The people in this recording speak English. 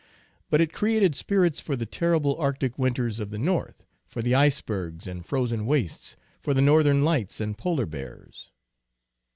But it created spirits for the terrible Arctic winters of the north, for the icebergs and frozen wastes, for the Northern Lights and polar bears.